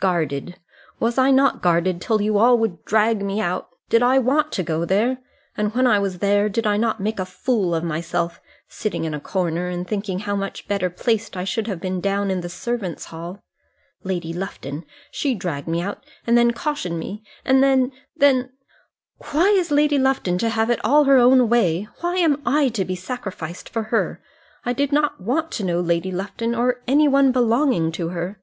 Guarded! Was I not guarded, till you all would drag me out? Did I want to go there? And when I was there, did I not make a fool of myself, sitting in a corner, and thinking how much better placed I should have been down in the servants' hall. Lady Lufton she dragged me out, and then cautioned me, and then, then Why is Lady Lufton to have it all her own way? Why am I to be sacrificed for her? I did not want to know Lady Lufton, or any one belonging to her."